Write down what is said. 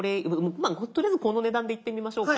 とりあえずこの値段でいってみましょうか。